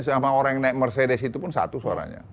sama orang yang naik mercedes itu pun satu suaranya